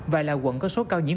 và là quận có số cao nhiễm